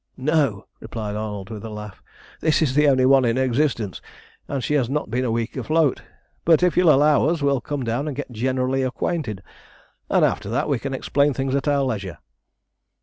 "No," replied Arnold, with a laugh. "This is the only one in existence, and she has not been a week afloat. But if you'll allow us, we'll come down and get generally acquainted, and after that we can explain things at our leisure."